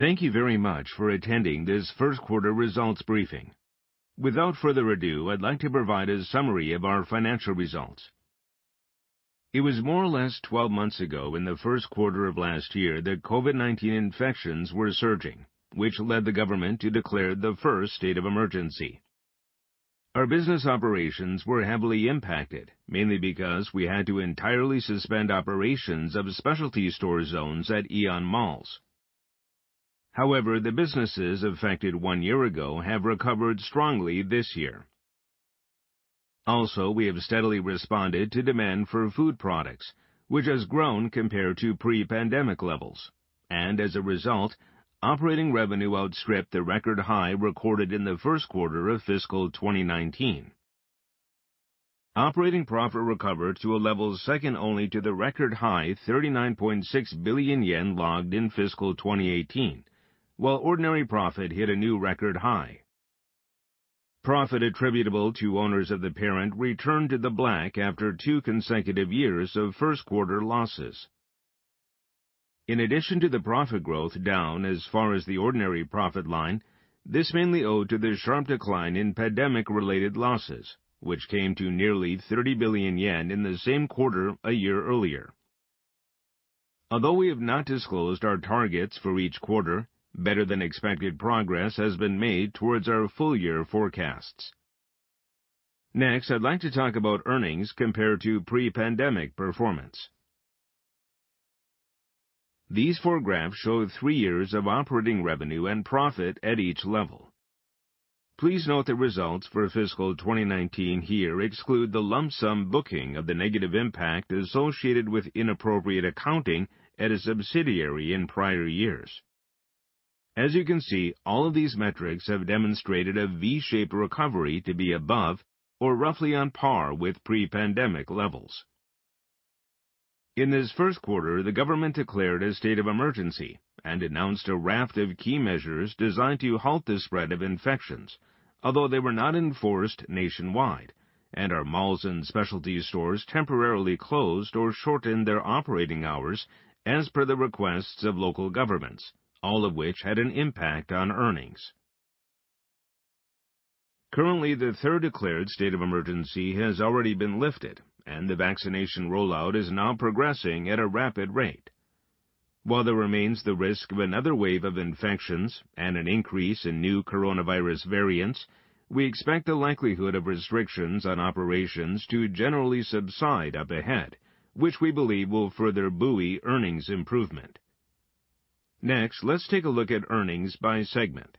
Thank you very much for attending this first quarter results briefing. Without further ado, I'd like to provide a summary of our financial results. It was more or less 12 months ago, in the first quarter of last year, that COVID-19 infections were surging which led the government to declare the first state of emergency. Our business operations were heavily impacted mainly because we had to entirely suspend operations of specialty store zones at AEON malls. However, the businesses affected one year ago have recovered strongly this year. Also, we have steadily responded to demand for food products which has grown compared to pre-pandemic levels. As a result, operating revenue outstripped the record high recorded in the first quarter of fiscal 2019. Operating profit recovered to a level second only to the record high 39.6 billion yen logged in fiscal 2018 while ordinary profit hit a new record high. Profit attributable to owners of the parent returned to the black after two consecutive years of first quarter losses. In addition to the profit growth down as far as the ordinary profit line, this mainly owed to the sharp decline in pandemic related losses which came to nearly 30 billion yen in the same quarter a year earlier. Although we have not disclosed our targets for each quarter, better than expected progress has been made towards our full year forecasts. Next, I'd like to talk about earnings compared to pre-pandemic performance. These four graphs show three years of operating revenue and profit at each level. Please note the results for fiscal 2019 here exclude the lump sum booking of the negative impact associated with inappropriate accounting at a subsidiary in prior years. As you can see, all of these metrics have demonstrated a V-shape recovery to be above or roughly on par with pre-pandemic levels. In this first quarter, the government declared a state of emergency and announced a raft of key measures designed to halt the spread of infections. Although they were not enforced nationwide, and our malls and specialty stores temporarily closed or shortened their operating hours as per the requests of local governments, all of which had an impact on earnings. Currently, the third declared state of emergency has already been lifted and the vaccination rollout is now progressing at a rapid rate. While there remains the risk of another wave of infections and an increase in new coronavirus variants, we expect the likelihood of restrictions on operations to generally subside up ahead, which we believe will further buoy earnings improvement. Next, let's take a look at earnings by segment.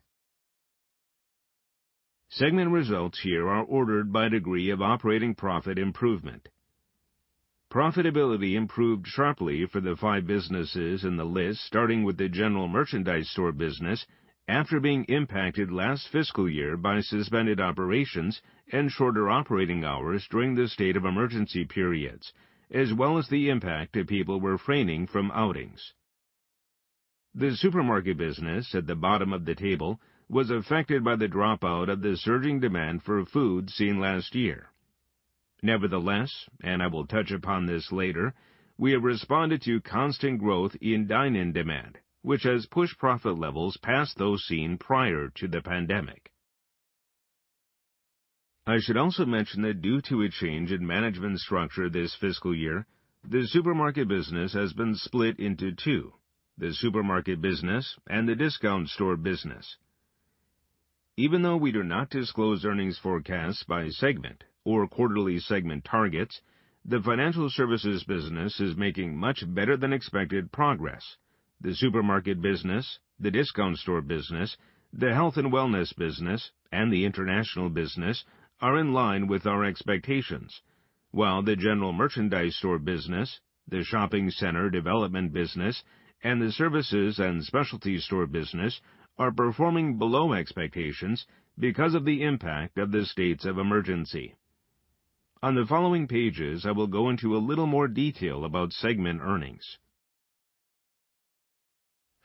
Segment results here are ordered by degree of operating profit improvement. Profitability improved sharply for the five businesses in the list, starting with the general merchandise store business after being impacted last fiscal year by suspended operations and shorter operating hours during the state of emergency periods, as well as the impact of people refraining from outings. The supermarket business at the bottom of the table was affected by the dropout of the surging demand for food seen last year. Nevertheless, and I will touch upon this later, we have responded to constant growth in dine-in demand which has pushed profit levels past those seen prior to the pandemic. I should also mention that due to a change in management structure this fiscal year, the supermarket business has been split into two, the supermarket business and the discount store business. Even though we do not disclose earnings forecasts by segment or quarterly segment targets, the financial services business is making much better than expected progress. The supermarket business, the discount store business, the health and wellness business, and the international business are in line with our expectations. While the general merchandise store business, the shopping center development business and the services and specialty store business are performing below expectations because of the impact of the states of emergency. On the following pages, I will go into a little more detail about segment earnings.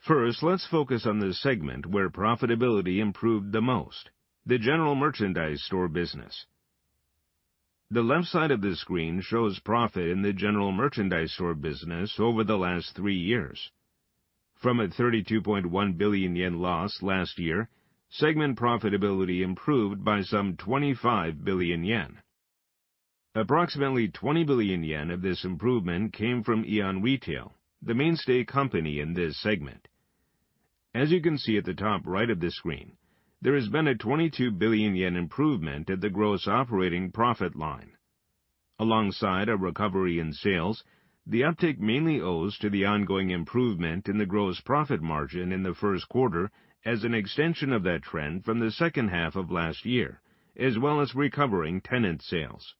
First, let's focus on the segment where profitability improved the most, the general merchandise store business. The left side of the screen shows profit in the general merchandise store business over the last three years. From a 32.1 billion yen loss last year, segment profitability improved by some 25 billion yen. Approximately 20 billion yen of this improvement came from AEON Retail, the mainstay company in this segment. As you can see at the top right of the screen, there has been a 22 billion yen improvement at the gross operating profit line. Alongside a recovery in sales, the uptick mainly owes to the ongoing improvement in the gross profit margin in the first quarter as an extension of that trend from the second half of last year, as well as recovering tenant sales.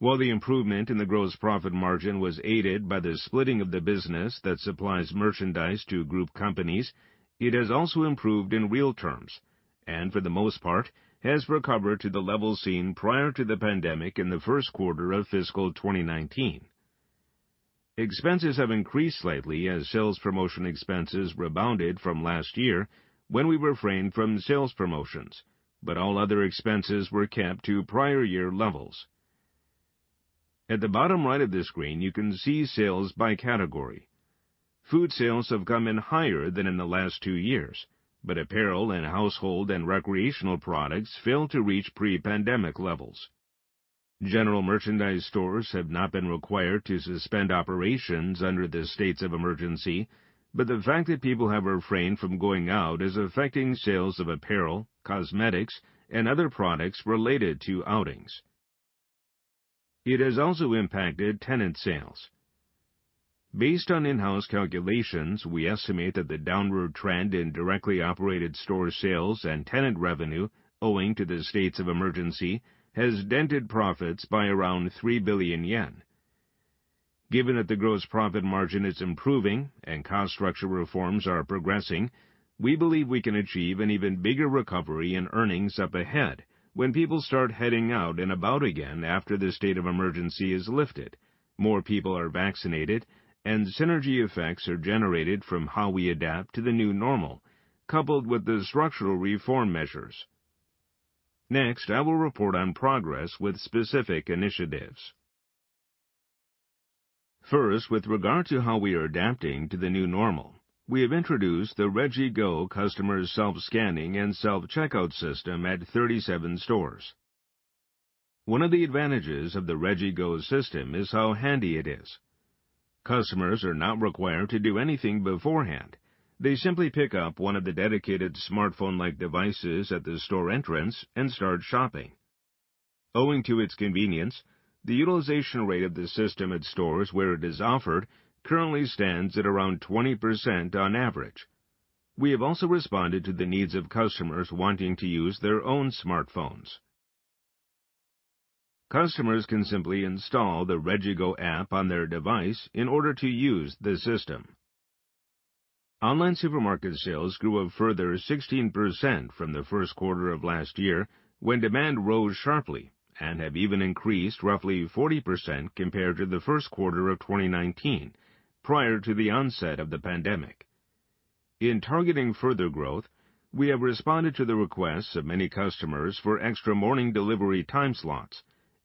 While the improvement in the gross profit margin was aided by the splitting of the business that supplies merchandise to group companies, it has also improved in real terms. For the most part, has recovered to the level seen prior to the pandemic in the first quarter of fiscal 2019. Expenses have increased slightly as sales promotion expenses rebounded from last year when we refrained from sales promotions but all other expenses were capped to prior year levels. At the bottom right of the screen, you can see sales by category. Food sales have come in higher than in the last two years but apparel and household and recreational products failed to reach pre-pandemic levels. General merchandise stores have not been required to suspend operations under the states of emergency but the fact that people have refrained from going out is affecting sales of apparel, cosmetics, and other products related to outings. It has also impacted tenant sales. Based on in-house calculations, we estimate that the downward trend in directly operated store sales and tenant revenue owing to the states of emergency has dented profits by around 3 billion yen. The gross profit margin is improving and cost structure reforms are progressing, we believe we can achieve an even bigger recovery in earnings up ahead when people start heading out and about again after the state of emergency is lifted, more people are vaccinated, and synergy effects are generated from how we adapt to the new normal, coupled with the structural reform measures. I will report on progress with specific initiatives. With regard to how we are adapting to the new normal, we have introduced the RegiGo customer self-scanning and self-checkout system at 37 stores. One of the advantages of the RegiGo system is how handy it is. Customers are not required to do anything beforehand. They simply pick up one of the dedicated smartphone-like devices at the store entrance and start shopping. Owing to its convenience, the utilization rate of the system at stores where it is offered currently stands at around 20% on average. We have also responded to the needs of customers wanting to use their own smartphones. Customers can simply install the RegiGo app on their device in order to use the system. Online supermarket sales grew a further 16% from the first quarter of last year, when demand rose sharply, and have even increased roughly 40% compared to the first quarter of 2019, prior to the onset of the pandemic. In targeting further growth, we have responded to the requests of many customers for extra morning delivery time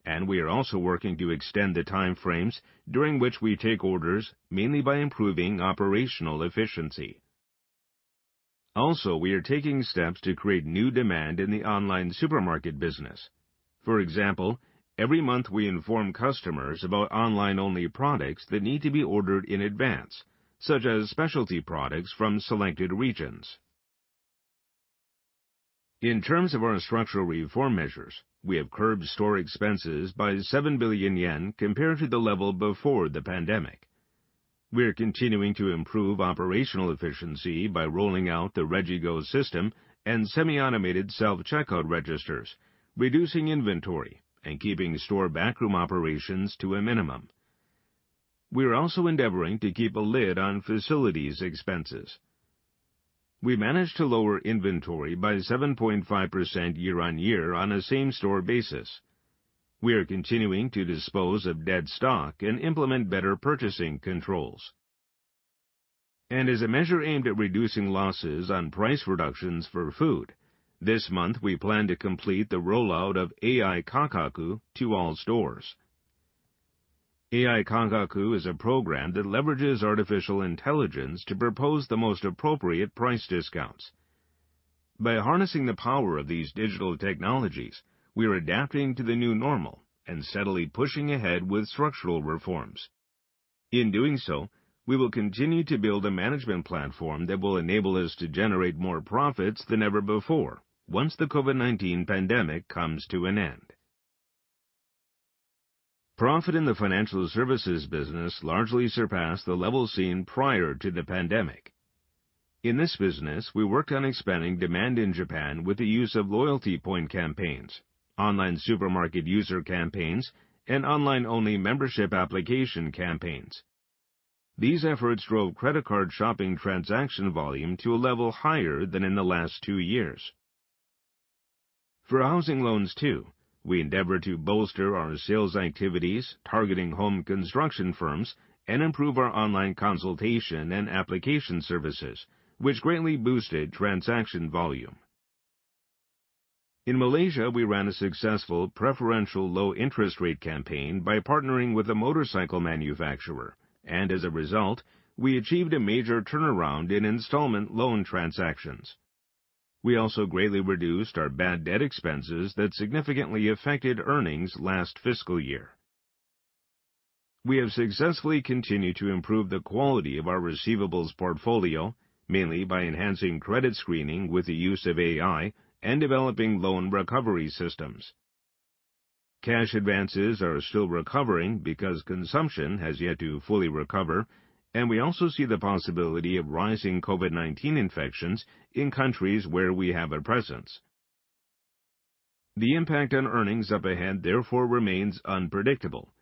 slots, and we are also working to extend the timeframes during which we take orders, mainly by improving operational efficiency. We are taking steps to create new demand in the online supermarket business. For example, every month we inform customers about online-only products that need to be ordered in advance, such as specialty products from selected regions. In terms of our structural reform measures, we have curbed store expenses by 7 billion yen compared to the level before the pandemic. We are continuing to improve operational efficiency by rolling out the RegiGo system and semi-automated self-checkout registers, reducing inventory, and keeping store backroom operations to a minimum. We are also endeavoring to keep a lid on facilities expenses. We managed to lower inventory by 7.5% year-on-year on a same-store basis. We are continuing to dispose of dead stock and implement better purchasing controls. As a measure aimed at reducing losses on price reductions for food, this month we plan to complete the rollout of AI Kakaku to all stores. AI Kakaku is a program that leverages artificial intelligence to propose the most appropriate price discounts. By harnessing the power of these digital technologies, we are adapting to the new normal and steadily pushing ahead with structural reforms. In doing so, we will continue to build a management platform that will enable us to generate more profits than ever before once the COVID-19 pandemic comes to an end. Profit in the financial services business largely surpassed the level seen prior to the pandemic. In this business, we worked on expanding demand in Japan with the use of loyalty point campaigns, online supermarket user campaigns, and online-only membership application campaigns. These efforts drove credit card shopping transaction volume to a level higher than in the last two years. For housing loans too, we endeavored to bolster our sales activities targeting home construction firms and improve our online consultation and application services, which greatly boosted transaction volume. In Malaysia, we ran a successful preferential low interest rate campaign by partnering with a motorcycle manufacturer, and as a result, we achieved a major turnaround in installment loan transactions. We also greatly reduced our bad debt expenses that significantly affected earnings last fiscal year. We have successfully continued to improve the quality of our receivables portfolio, mainly by enhancing credit screening with the use of AI and developing loan recovery systems. Cash advances are still recovering because consumption has yet to fully recover, and we also see the possibility of rising COVID-19 infections in countries where we have a presence. The impact on earnings up ahead therefore remains unpredictable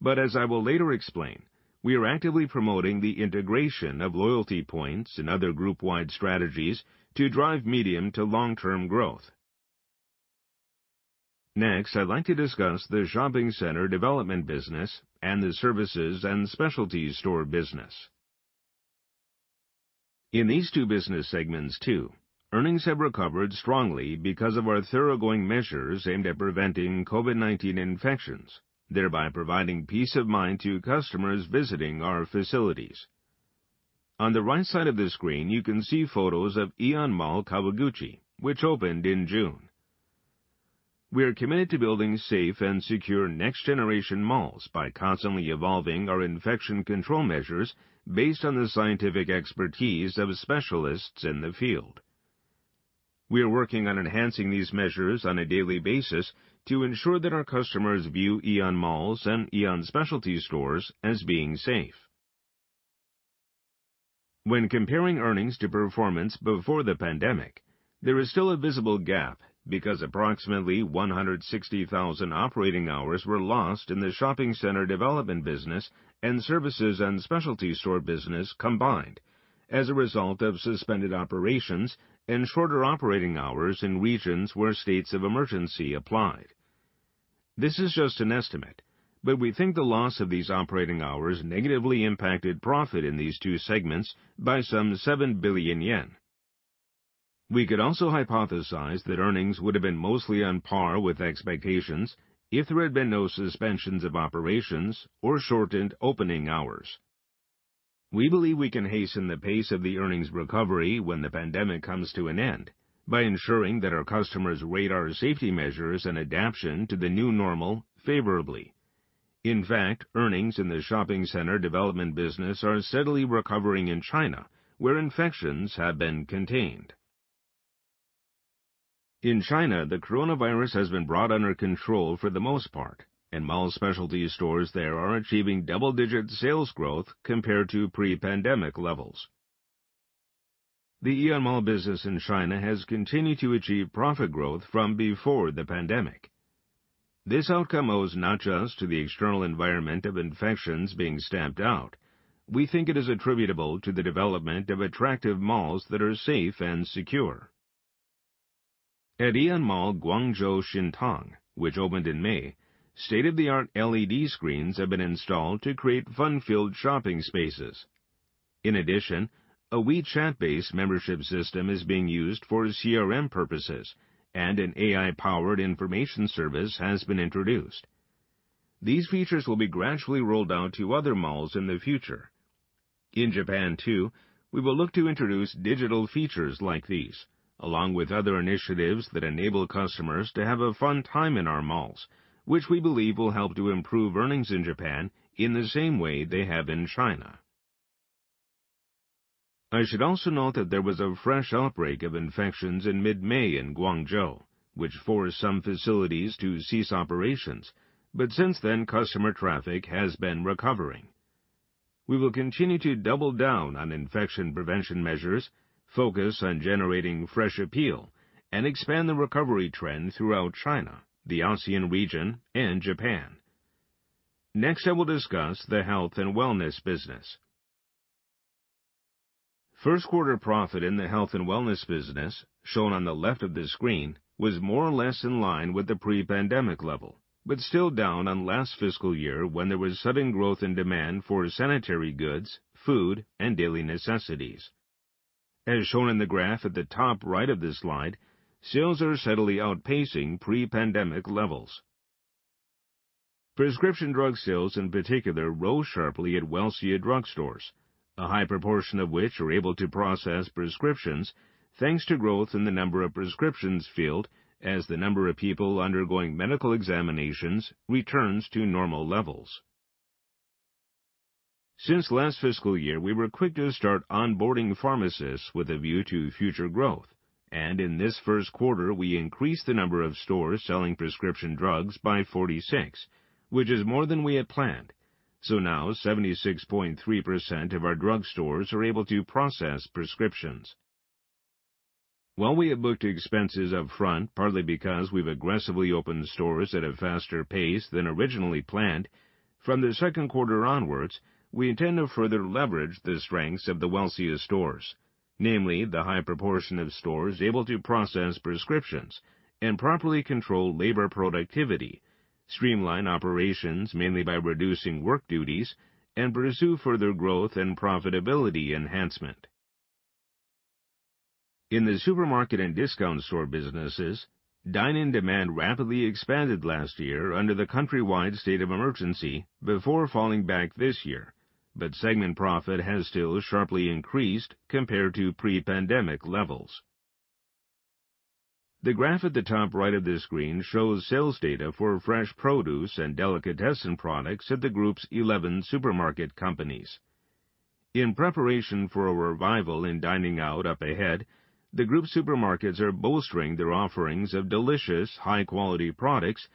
but as I will later explain, we are actively promoting the integration of loyalty points and other group-wide strategies to drive medium to long-term growth. I'd like to discuss the shopping center development business and the services and specialties store business. In these two business segments too, earnings have recovered strongly because of our thoroughgoing measures aimed at preventing COVID-19 infections, thereby providing peace of mind to customers visiting our facilities. On the right side of the screen, you can see photos of AEON Mall Kawaguchi, which opened in June. We are committed to building safe and secure next-generation malls by constantly evolving our infection control measures based on the scientific expertise of specialists in the field. We are working on enhancing these measures on a daily basis to ensure that our customers view AEON Malls and AEON specialty stores as being safe. When comparing earnings to performance before the pandemic, there is still a visible gap because approximately 160,000 operating hours were lost in the shopping center development business and services and specialty store business combined as a result of suspended operations and shorter operating hours in regions where states of emergency applied. This is just an estimate, but we think the loss of these operating hours negatively impacted profit in these two segments by some 7 billion yen. We could also hypothesize that earnings would have been mostly on par with expectations if there had been no suspensions of operations or shortened opening hours. We believe we can hasten the pace of the earnings recovery when the pandemic comes to an end by ensuring that our customers rate our safety measures and adaption to the new normal favorably. In fact, earnings in the shopping center development business are steadily recovering in China, where infections have been contained. In China, the coronavirus has been brought under control for the most part, mall specialty stores there are achieving double-digit sales growth compared to pre-pandemic levels. The AEON Mall business in China has continued to achieve profit growth from before the pandemic. This outcome owes not just to the external environment of infections being stamped out. We think it is attributable to the development of attractive malls that are safe and secure. At AEON Mall Guangzhou Xintang, which opened in May, state-of-the-art LED screens have been installed to create fun-filled shopping spaces. In addition, a WeChat-based membership system is being used for CRM purposes, and an AI-powered information service has been introduced. These features will be gradually rolled out to other malls in the future. In Japan, too, we will look to introduce digital features like these, along with other initiatives that enable customers to have a fun time in our malls, which we believe will help to improve earnings in Japan in the same way they have in China. I should also note that there was a fresh outbreak of infections in mid-May in Guangzhou, which forced some facilities to cease operations but since then, customer traffic has been recovering. We will continue to double down on infection prevention measures, focus on generating fresh appeal, and expand the recovery trend throughout China, the ASEAN region, and Japan. Next, I will discuss the health and wellness business. First quarter profit in the health and wellness business, shown on the left of the screen, was more or less in line with the pre-pandemic level, but still down on last fiscal year when there was sudden growth in demand for sanitary goods, food, and daily necessities. As shown in the graph at the top right of this slide, sales are steadily outpacing pre-pandemic levels. Prescription drug sales, in particular, rose sharply at Welcia drugstores, a high proportion of which are able to process prescriptions thanks to growth in the number of prescriptions filled as the number of people undergoing medical examinations returns to normal levels. Since last fiscal year, we were quick to start onboarding pharmacists with a view to future growth, and in this first quarter, we increased the number of stores selling prescription drugs by 46, which is more than we had planned. Now 76.3% of our drugstores are able to process prescriptions. While we have booked expenses up front, partly because we've aggressively opened stores at a faster pace than originally planned, from the second quarter onwards, we intend to further leverage the strengths of the Welcia stores. Namely, the high proportion of stores able to process prescriptions and properly control labor productivity, streamline operations mainly by reducing work duties, and pursue further growth and profitability enhancement. In the supermarket and discount store businesses, dine-in demand rapidly expanded last year under the country-wide state of emergency before falling back this year but segment profit has still sharply increased compared to pre-pandemic levels. The graph at the top right of this screen shows sales data for fresh produce and delicatessen products at the group's 11 supermarket companies. In preparation for a revival in dining out up ahead, the group supermarkets are bolstering their offerings of delicious, high-quality products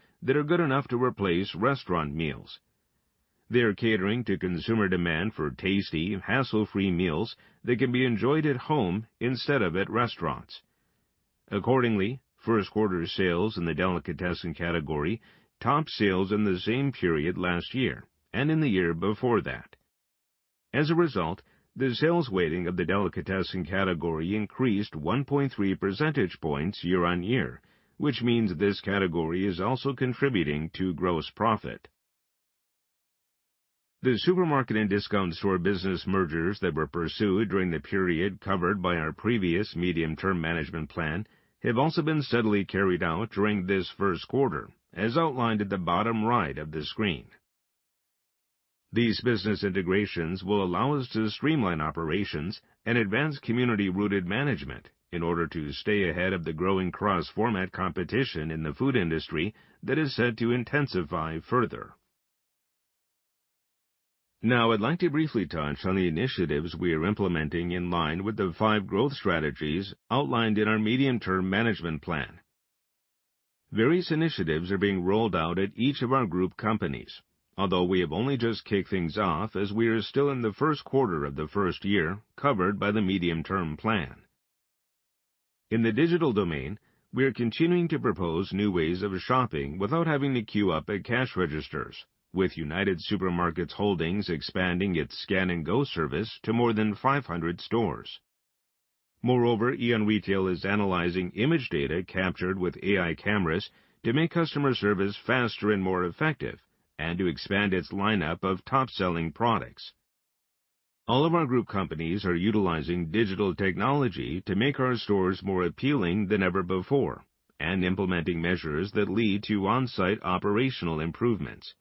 that are good enough to replace restaurant meals. They're catering to consumer demand for tasty, hassle-free meals that can be enjoyed at home instead of at restaurants. Accordingly, first quarter sales in the delicatessen category topped sales in the same period last year and in the year before that. As a result, the sales weighting of the delicatessen category increased 1.3 percentage points year-on-year, which means this category is also contributing to gross profit. The supermarket and discount store business mergers that were pursued during the period covered by our previous medium-term management plan have also been steadily carried out during this first quarter, as outlined at the bottom right of the screen. These business integrations will allow us to streamline operations and advance community-rooted management in order to stay ahead of the growing cross-format competition in the food industry that is set to intensify further. Now I'd like to briefly touch on the initiatives we are implementing in line with the five growth strategies outlined in our medium-term management plan. Various initiatives are being rolled out at each of our group companies, although we have only just kicked things off as we are still in the first quarter of the first year covered by the medium-term plan. In the digital domain, we are continuing to propose new ways of shopping without having to queue up at cash registers, with United Super Markets Holdings expanding its scan-and-go service to more than 500 stores. AEON Retail is analyzing image data captured with AI cameras to make customer service faster and more effective and to expand its lineup of top-selling products. All of our Group companies are utilizing digital technology to make our stores more appealing than ever before and implementing measures that lead to onsite operational improvements.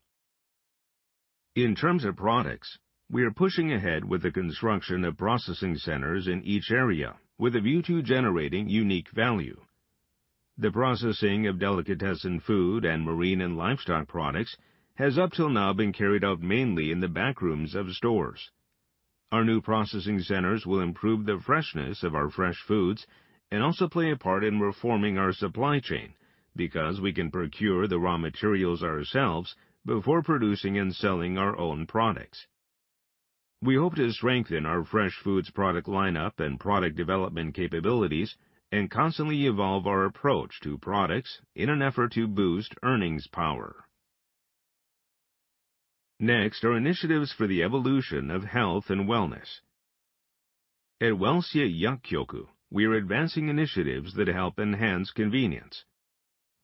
In terms of products, we are pushing ahead with the construction of processing centers in each area with a view to generating unique value. The processing of delicatessen food and marine and livestock products has up till now been carried out mainly in the back rooms of stores. Our new processing centers will improve the freshness of our fresh foods and also play a part in reforming our supply chain because we can procure the raw materials ourselves before producing and selling our own products. We hope to strengthen our fresh foods product lineup and product development capabilities and constantly evolve our approach to products in an effort to boost earnings power. Initiatives for the evolution of health and wellness. At Welcia Yakkyoku, we are advancing initiatives that help enhance convenience.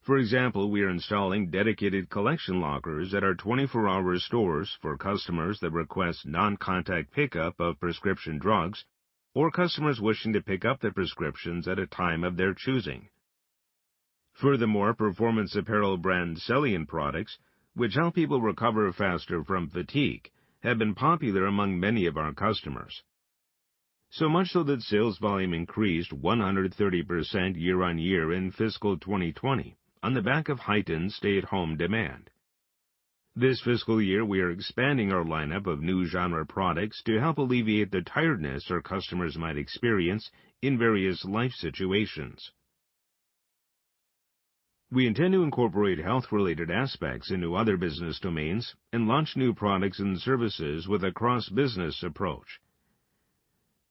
For example, we are installing dedicated collection lockers at our 24-hour stores for customers that request non-contact pickup of prescription drugs or customers wishing to pick up their prescriptions at a time of their choosing. Performance apparel brand CELLIANT products, which help people recover faster from fatigue, have been popular among many of our customers. Sales volume increased 130% year-on-year in fiscal 2020 on the back of heightened stay-at-home demand. This fiscal year, we are expanding our lineup of new genre products to help alleviate the tiredness our customers might experience in various life situations. We intend to incorporate health-related aspects into other business domains and launch new products and services with a cross-business approach.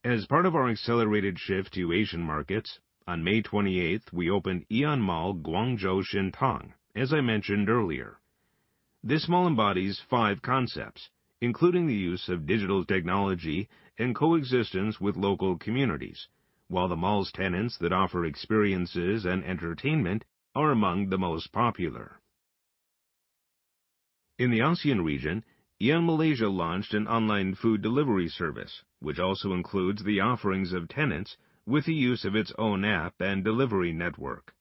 As part of our accelerated shift to Asian markets, on May 28th, we opened AEON Mall Guangzhou Xintang, as I mentioned earlier. This mall embodies five concepts, including the use of digital technology and coexistence with local communities, while the mall's tenants that offer experiences and entertainment are among the most popular. In the ASEAN region, AEON Malaysia launched an online food delivery service, which also includes the offerings of tenants with the use of its own app and delivery network.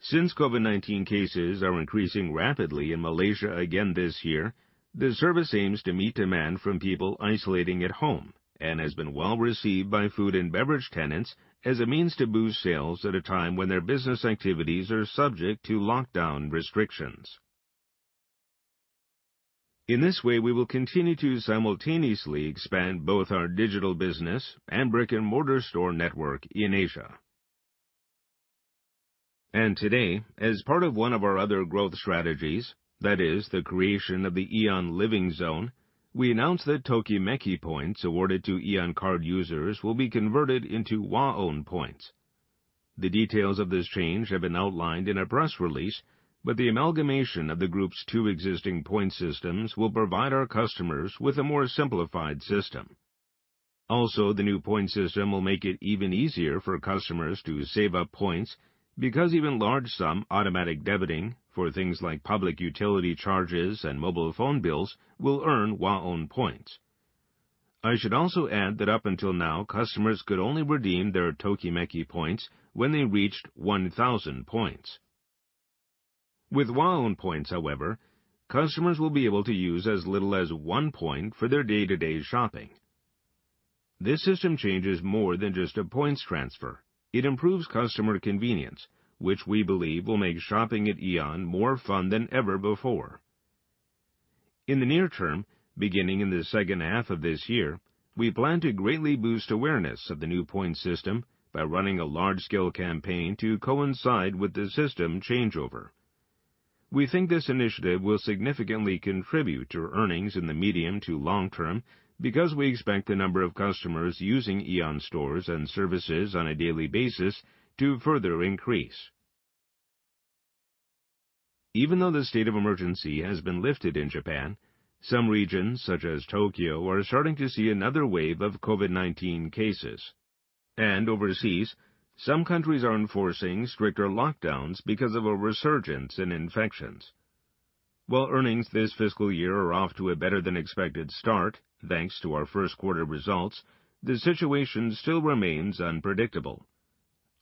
Since COVID-19 cases are increasing rapidly in Malaysia again this year, the service aims to meet demand from people isolating at home and has been well received by food and beverage tenants as a means to boost sales at a time when their business activities are subject to lockdown restrictions. In this way, we will continue to simultaneously expand both our digital business and brick-and-mortar store network in Asia. Today, as part of one of our other growth strategies, that is the creation of the AEON Living Zone, we announced that TOKIMEKI points awarded to AEON Card users will be converted into WAON points. The details of this change have been outlined in a press release, but the amalgamation of the group's two existing point systems will provide our customers with a more simplified system. The new point system will make it even easier for customers to save up points because even large sum automatic debiting for things like public utility charges and mobile phone bills will earn WAON points. I should also add that up until now, customers could only redeem their TOKIMEKI points when they reached 1,000 points. With WAON points, however, customers will be able to use as little as one point for their day-to-day shopping. This system change is more than just a points transfer. It improves customer convenience, which we believe will make shopping at AEON more fun than ever before. In the near term, beginning in the second half of this year, we plan to greatly boost awareness of the new point system by running a large-scale campaign to coincide with the system changeover. We think this initiative will significantly contribute to earnings in the medium to long term because we expect the number of customers using AEON stores and services on a daily basis to further increase. Even though the state of emergency has been lifted in Japan, some regions, such as Tokyo, are starting to see another wave of COVID-19 cases. Overseas, some countries are enforcing stricter lockdowns because of a resurgence in infections. While earnings this fiscal year are off to a better than expected start, thanks to our first quarter results, the situation still remains unpredictable.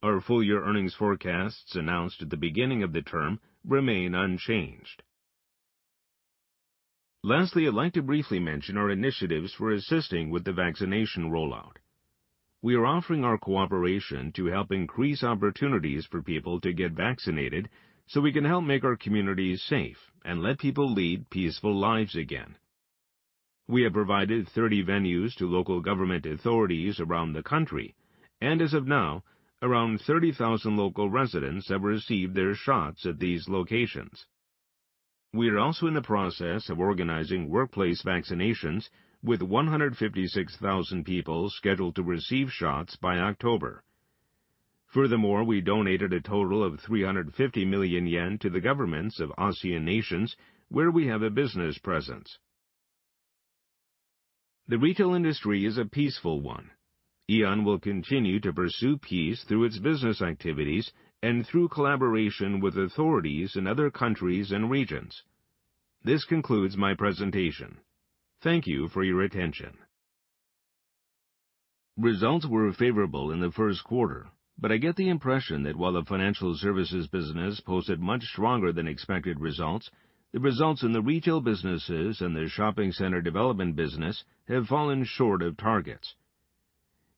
Our full-year earnings forecasts announced at the beginning of the term remain unchanged. Lastly, I'd like to briefly mention our initiatives for assisting with the vaccination rollout. We are offering our cooperation to help increase opportunities for people to get vaccinated so we can help make our communities safe and let people lead peaceful lives again. We have provided 30 venues to local government authorities around the country, and as of now, around 30,000 local residents have received their shots at these locations. We are also in the process of organizing workplace vaccinations with 156,000 people scheduled to receive shots by October. Furthermore, we donated a total of 350 million yen to the governments of ASEAN nations where we have a business presence. The retail industry is a peaceful one. AEON will continue to pursue peace through its business activities and through collaboration with authorities in other countries and regions. This concludes my presentation. Thank you for your attention. Results were favorable in the first quarter, but I get the impression that while the financial services business posted much stronger than expected results, the results in the retail businesses and the shopping center development business have fallen short of targets.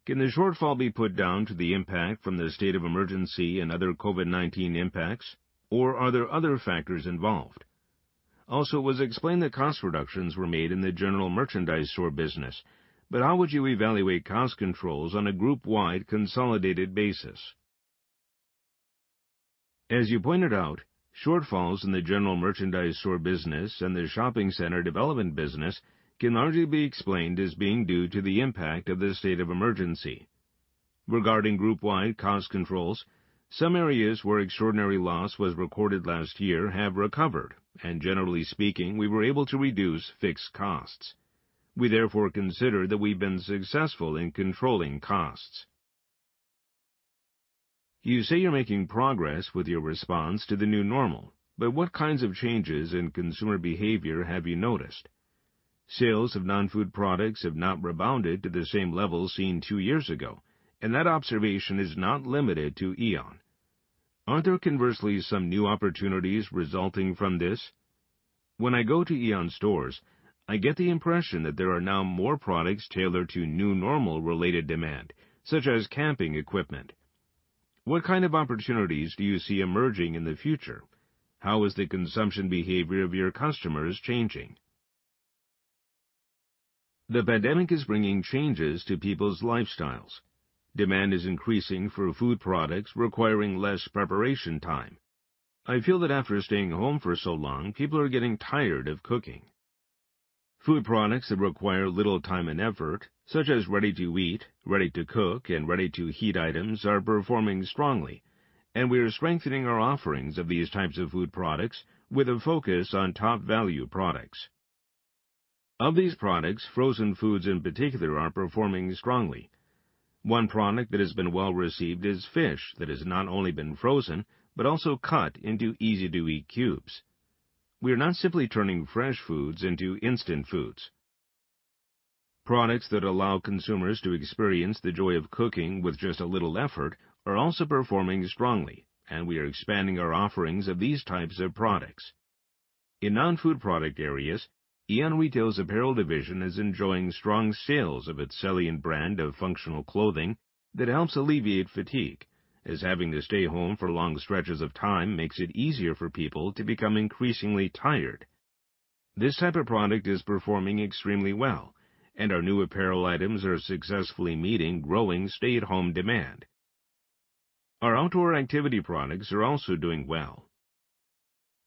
Can the shortfall be put down to the impact from the state of emergency and other COVID-19 impacts, or are there other factors involved? It was explained that cost reductions were made in the general merchandise store business, but how would you evaluate cost controls on a group-wide consolidated basis? You pointed out, shortfalls in the general merchandise store business and the shopping center development business can largely be explained as being due to the impact of the state of emergency. Regarding group-wide cost controls, some areas where extraordinary loss was recorded last year have recovered, and generally speaking, we were able to reduce fixed costs. We therefore consider that we've been successful in controlling costs. You say you're making progress with your response to the new normal but what kinds of changes in consumer behavior have you noticed? Sales of non-food products have not rebounded to the same level seen two years ago, and that observation is not limited to AEON. Aren't there conversely some new opportunities resulting from this? When I go to AEON stores, I get the impression that there are now more products tailored to new normal related demand, such as camping equipment. What kind of opportunities do you see emerging in the future? How is the consumption behavior of your customers changing? The pandemic is bringing changes to people's lifestyles. Demand is increasing for food products requiring less preparation time. I feel that after staying home for so long, people are getting tired of cooking. Food products that require little time and effort, such as ready-to-eat, ready-to-cook, and ready-to-heat items, are performing strongly and we are strengthening our offerings of these types of food products with a focus on top-value products. Of these products, frozen foods in particular are performing strongly. One product that has been well received is fish that has not only been frozen but also cut into easy-to-eat cubes. We are not simply turning fresh foods into instant foods. Products that allow consumers to experience the joy of cooking with just a little effort are also performing strongly and we are expanding our offerings of these types of products. In non-food product areas, AEON Retail's apparel division is enjoying strong sales of its CELLIANT brand of functional clothing that helps alleviate fatigue, as having to stay home for long stretches of time makes it easier for people to become increasingly tired. This type of product is performing extremely well, and our new apparel items are successfully meeting growing stay-at-home demand. Our outdoor activity products are also doing well.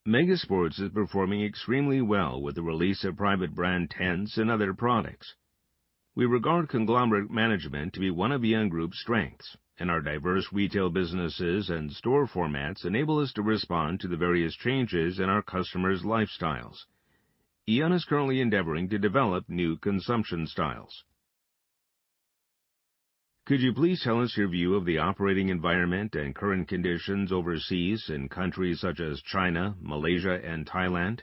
Mega Sports is performing extremely well with the release of private brand tents and other products. We regard conglomerate management to be one of AEON Group's strengths, and our diverse retail businesses and store formats enable us to respond to the various changes in our customers' lifestyles. AEON is currently endeavoring to develop new consumption styles. Could you please tell us your view of the operating environment and current conditions overseas in countries such as China, Malaysia, and Thailand?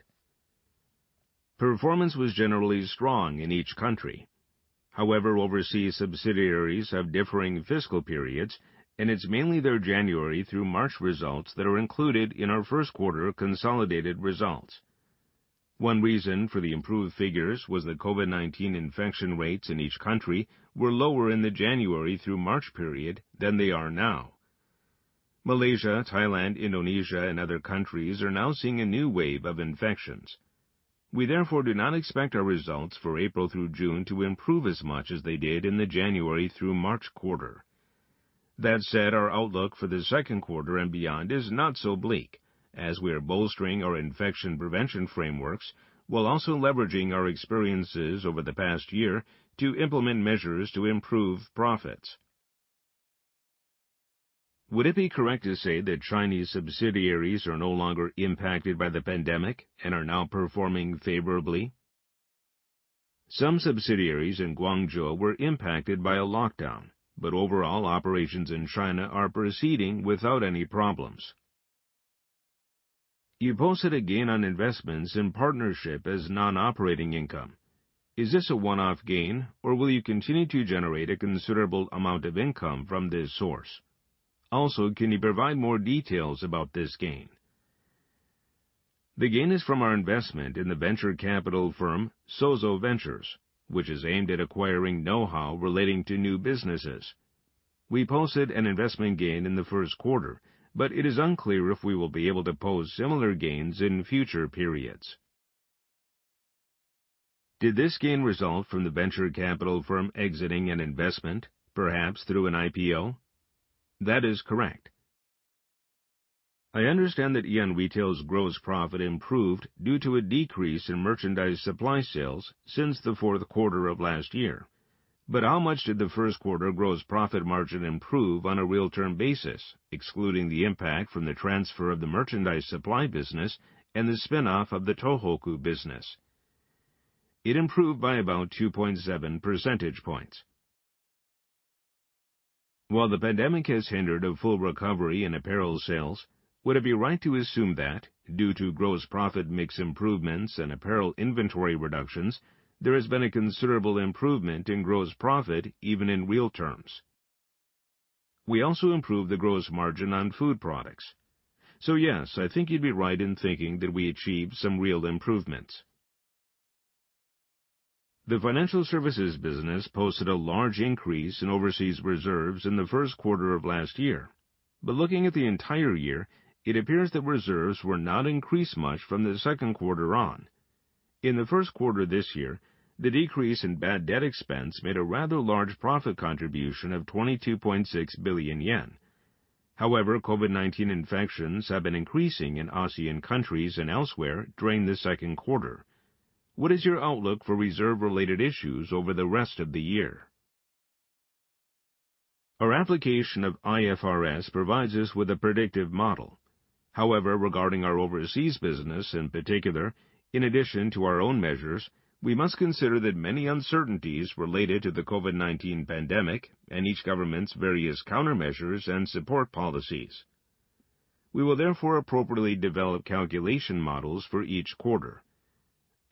Performance was generally strong in each country. Overseas subsidiaries have differing fiscal periods, and it's mainly their January through March results that are included in our first quarter consolidated results. One reason for the improved figures was that COVID-19 infection rates in each country were lower in the January through March period than they are now. Malaysia, Thailand, Indonesia, and other countries are now seeing a new wave of infections. We therefore do not expect our results for April through June to improve as much as they did in the January through March quarter. That said, our outlook for the second quarter and beyond is not so bleak, as we are bolstering our infection prevention frameworks while also leveraging our experiences over the past year to implement measures to improve profits. Would it be correct to say that Chinese subsidiaries are no longer impacted by the pandemic and are now performing favorably? Some subsidiaries in Guangzhou were impacted by a lockdown but overall operations in China are proceeding without any problems. You posted a gain on investments in partnership as non-operating income. Is this a one-off gain, or will you continue to generate a considerable amount of income from this source? Also, can you provide more details about this gain? The gain is from our investment in the venture capital firm Sozo Ventures which is aimed at acquiring know-how relating to new businesses. We posted an investment gain in the first quarter, but it is unclear if we will be able to post similar gains in future periods. Did this gain result from the venture capital firm exiting an investment, perhaps through an IPO? That is correct. I understand that AEON Retail's gross profit improved due to a decrease in merchandise supply sales since the fourth quarter of last year. How much did the first quarter gross profit margin improve on a real term basis, excluding the impact from the transfer of the merchandise supply business and the spin-off of the Tohoku business? It improved by about 2.7 percentage points. While the pandemic has hindered a full recovery in apparel sales, would it be right to assume that due to gross profit mix improvements and apparel inventory reductions, there has been a considerable improvement in gross profit even in real terms? We also improved the gross margin on food products. Yes, I think you'd be right in thinking that we achieved some real improvements. The financial services business posted a large increase in overseas reserves in the first quarter of last year. Looking at the entire year, it appears that reserves were not increased much from the second quarter on. In the first quarter this year, the decrease in bad debt expense made a rather large profit contribution of 22.6 billion yen. COVID-19 infections have been increasing in ASEAN countries and elsewhere during the second quarter. What is your outlook for reserve-related issues over the rest of the year? Our application of IFRS provides us with a predictive model. Regarding our overseas business in particular, in addition to our own measures, we must consider the many uncertainties related to the COVID-19 pandemic and each government's various countermeasures and support policies. We will therefore appropriately develop calculation models for each quarter.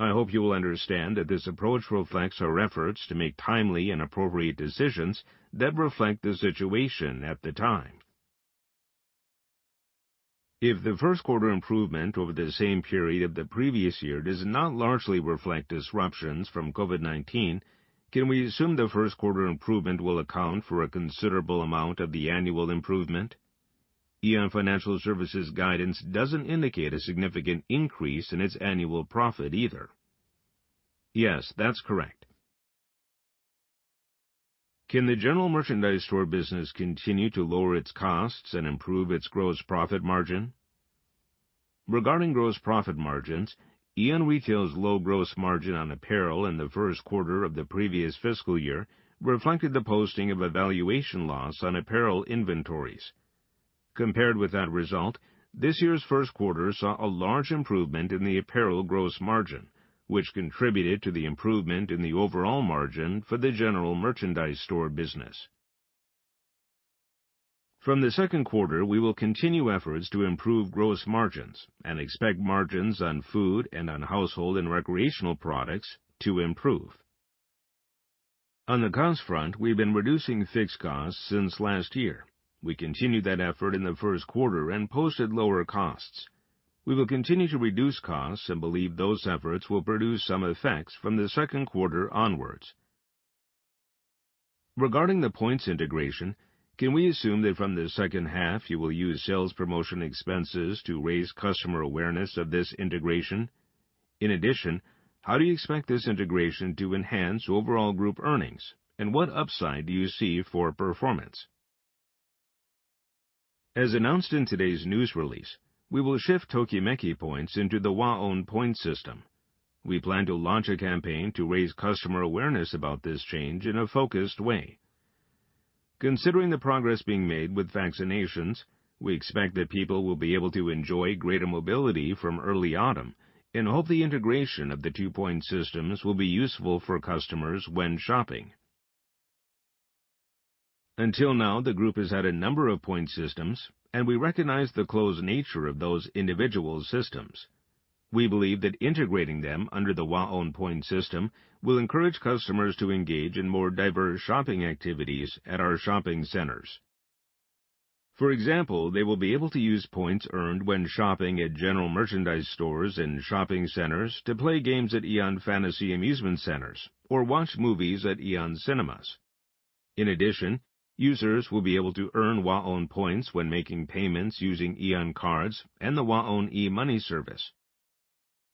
I hope you will understand that this approach reflects our efforts to make timely and appropriate decisions that reflect the situation at the time. If the first quarter improvement over the same period the previous year does not largely reflect disruptions from COVID-19, can we assume the first quarter improvement will account for a considerable amount of the annual improvement? AEON Financial Services guidance doesn't indicate a significant increase in its annual profit either. Yes, that's correct. Can the general merchandise store business continue to lower its costs and improve its gross profit margin? Regarding gross profit margins, AEON Retail's low gross margin on apparel in the first quarter of the previous fiscal year reflected the posting of a valuation loss on apparel inventories. Compared with that result, this year's first quarter saw a large improvement in the apparel gross margin which contributed to the improvement in the overall margin for the general merchandise store business. From the second quarter, we will continue efforts to improve gross margins and expect margins on food and on household and recreational products to improve. On the cost front, we've been reducing fixed costs since last year. We continued that effort in the first quarter and posted lower costs. We will continue to reduce costs and believe those efforts will produce some effects from the second quarter onwards. Regarding the points integration, can we assume that from the second half you will use sales promotion expenses to raise customer awareness of this integration? In addition, how do you expect this integration to enhance overall group earnings and what upside do you see for performance? As announced in today's news release, we will shift TOKIMEKI points into the WAON points system. We plan to launch a campaign to raise customer awareness about this change in a focused way. Considering the progress being made with vaccinations, we expect that people will be able to enjoy greater mobility from early autumn and hope the integration of the two point systems will be useful for customers when shopping. Until now, the group has had a number of point systems and we recognize the closed nature of those individual systems. We believe that integrating them under the WAON points system will encourage customers to engage in more diverse shopping activities at our shopping centers. For example, they will be able to use points earned when shopping at general merchandise stores and shopping centers to play games at AEON Fantasy amusement centers or watch movies at AEON Cinemas. Users will be able to earn WAON points when making payments using AEON Card and the WAON e-money service.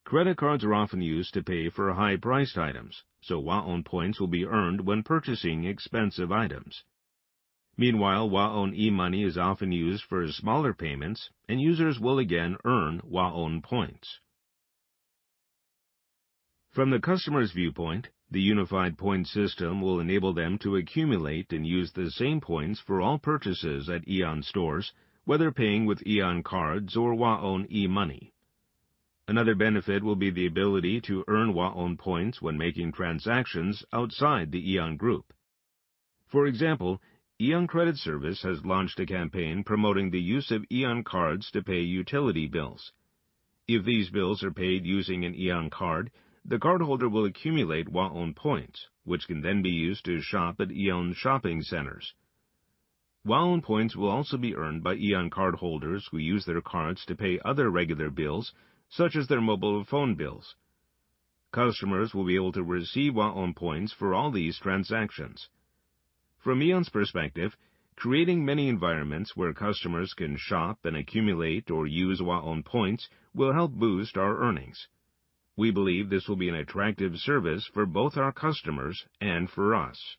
Credit cards are often used to pay for high-priced items, so WAON points will be earned when purchasing expensive items. Meanwhile, WAON e-money is often used for smaller payments, and users will again earn WAON points. From the customer's viewpoint, the unified points system will enable them to accumulate and use the same points for all purchases at AEON stores, whether paying with AEON Cards or WAON e-money. Another benefit will be the ability to earn WAON points when making transactions outside the AEON Group. For example, AEON Credit Service has launched a campaign promoting the use of AEON Cards to pay utility bills. If these bills are paid using an AEON Card, the cardholder will accumulate WAON points which can then be used to shop at AEON's shopping centers. WAON points will also be earned by AEON Cardholders who use their cards to pay other regular bills, such as their mobile phone bills. Customers will be able to receive WAON points for all these transactions. From AEON's perspective, creating many environments where customers can shop and accumulate or use WAON points will help boost our earnings. We believe this will be an attractive service for both our customers and for us.